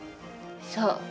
そう。